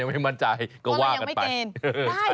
อ๋อยังไม่ได้ทำหน้าอกเลยยังไม่มั่นใจ